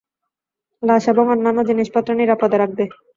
লাশ এবং অন্যান্য জিনিসপত্র নিরাপদে রাখবে।